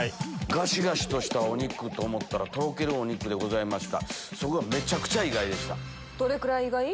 ガシガシとしたお肉と思ったらとろけるお肉でございました。